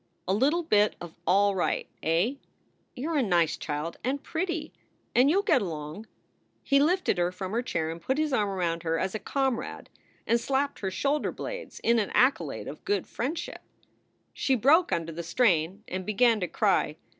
A little bit of all right, eh? You re a nice child, and pretty, and you ll get along." He lifted her from her chair and put his arm around her as a comrade, and slapped her shoulder blades in an accolade of good fellowship. She broke under the strain and began to cry.